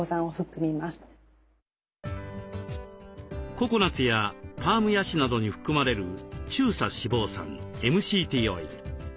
ココナツやパームヤシなどに含まれる中鎖脂肪酸ＭＣＴオイル。